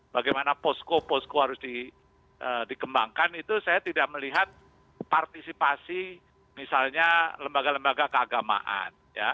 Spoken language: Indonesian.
bagaimana posko posko harus dikembangkan itu saya tidak melihat partisipasi misalnya lembaga lembaga keagamaan